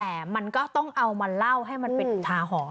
แต่มันก็ต้องเอามาเล่าให้มันเป็นอุทาหรณ์